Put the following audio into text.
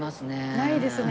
ないですね。